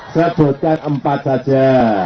sebutkan empat saja